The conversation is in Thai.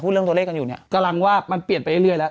เรื่องตัวเลขกันอยู่เนี่ยกำลังว่ามันเปลี่ยนไปเรื่อยแล้ว